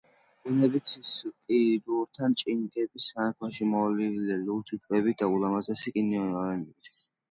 ბუნებით, ცისკიდურთან, ჭინკების სამეფოში მოლივლივე ლურჯი ტბებითა თუ ულამაზესი კანიონებით.